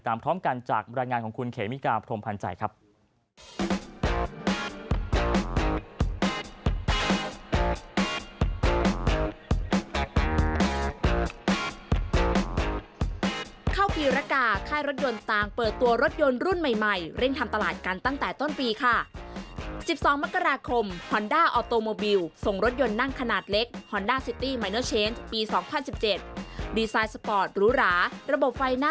พร้อมกันจากบรรยายงานของคุณเขมิกาพรมพันธ์ใจครับ